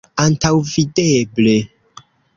Antaŭvideble.